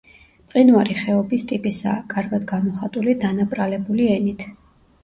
მყინვარი ხეობის ტიპისაა, კარგად გამოხატული დანაპრალებული ენით.